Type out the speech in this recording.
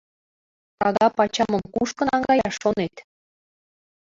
Тага пачамым кушко наҥгаяш шонет?